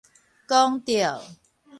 講著